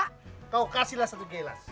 kau kasihlah satu gelas